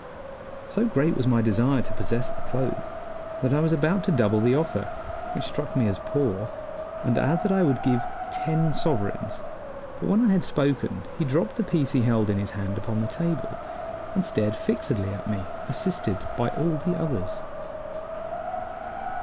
So great was my desire to possess the clothes that I was about to double the offer, which struck me as poor, and add that I would give ten sovereigns; but when I had spoken he dropped the piece he held in his hand upon the table, and stared fixedly at me, assisted by all the others.